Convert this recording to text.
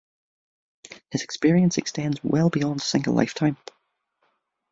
His experience extends well beyond a single lifetime.